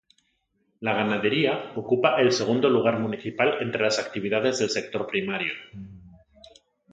La ganadería ocupa el segundo lugar municipal entre las actividades del sector primario.